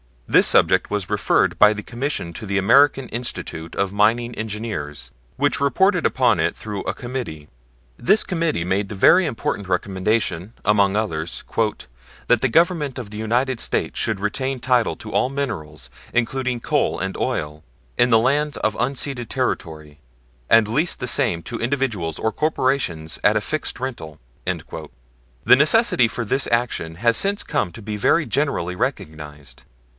This subject was referred by the Commission to the American Institute of Mining Engineers, which reported upon it through a Committee. This Committee made the very important recommendation, among others, "that the Government of the United States should retain title to all minerals, including coal and oil, in the lands of unceded territory, and lease the same to individuals or corporations at a fixed rental." The necessity for this action has since come to be very generally recognized.